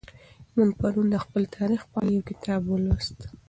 موږ پرون د خپل تاریخ په اړه یو کتاب ولوست.